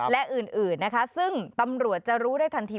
และอื่นนะคะซึ่งตำรวจจะรู้ได้ทันที